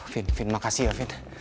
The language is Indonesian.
fin fin makasih ya fit